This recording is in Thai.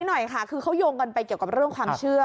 หน่อยค่ะคือเขาโยงกันไปเกี่ยวกับเรื่องความเชื่อ